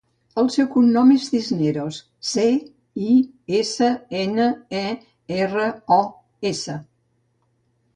El seu cognom és Cisneros: ce, i, essa, ena, e, erra, o, essa.